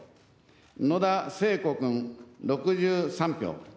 野田聖子君、６３票。